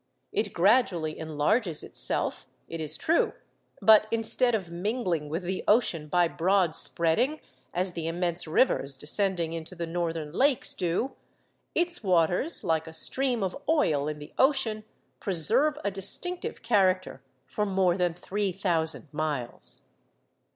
It gradually enlarges itself, it is true; but, instead of mingling with the ocean by broad spreading, as the immense rivers descending into the northern lakes do, its waters, like a stream of oil in the ocean, preserve a distinctive character for more than three thousand miles.